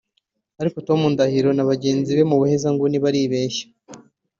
Ariko Tom Ndahiro na bagenzi be mu buhezanguni baribeshya